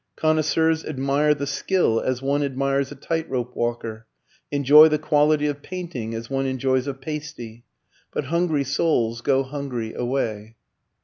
Connoisseurs admire the "skill" (as one admires a tightrope walker), enjoy the "quality of painting" (as one enjoys a pasty). But hungry souls go hungry away.